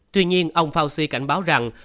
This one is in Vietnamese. tuy nhiên ông fauci cảnh báo rằng